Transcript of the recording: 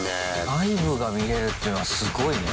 内部が見れるっていうのはすごいね。